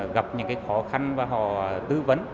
gặp những khó khăn và họ tư vấn